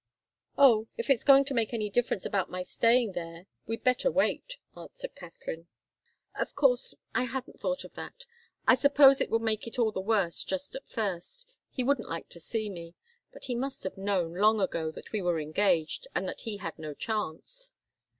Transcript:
"Oh if it's going to make any difference about my staying there, we'd better wait," answered Katharine. "Of course I hadn't thought of that. I suppose it would make it all the worse, just at first. He wouldn't like to see me. But he must have known, long ago, that we were engaged, and that he had no chance."